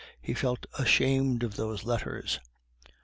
He felt ashamed of those letters.